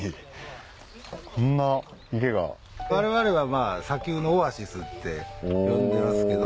われわれは砂丘のオアシスって呼んでますけど。